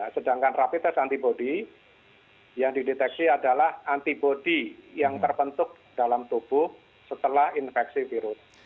sedangkan rapi tes antibody yang dideteksi adalah antibody yang terbentuk dalam tubuh setelah infeksi virus